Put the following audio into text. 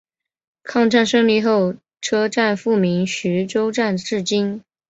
抗战胜利后车站复名徐州站至今。